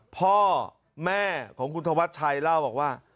พ่อแม่ของคุณธวัชชัยเล่าบอกว่า